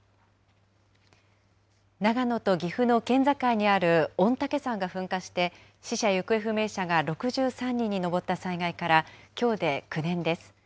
長野と岐阜の県境にある御嶽山が噴火して、死者・行方不明者が６３人に上った災害から、きょうで９年です。